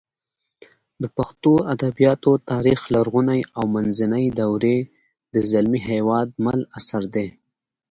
د پښتو ادبیاتو تاریخ لرغونې او منځنۍ دورې د زلمي هېوادمل اثر دی